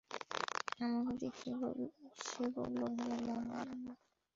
আমাকে দেখে সে বলল, হে আল্লাহর বান্দা!